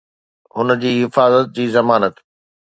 هن جي حفاظت جي ضمانت